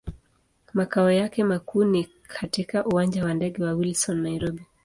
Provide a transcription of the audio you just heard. Makao yake makuu ni katika Uwanja wa ndege wa Wilson, Nairobi.